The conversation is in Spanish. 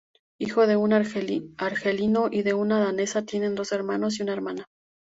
Hijo de un argelino y de una danesa, tiene dos hermanos y una hermana.